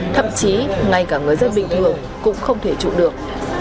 thậm chí ngay cả người dân bình thường cũng không thể trụ được